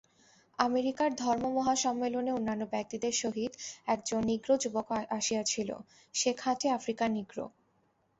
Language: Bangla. আমেরিকার ধর্মমহাসম্মেলনে অন্যান্য ব্যক্তিদের সহিত একজন নিগ্রো যুবকও আসিয়াছিল, সে খাঁটি আফ্রিকার নিগ্রো।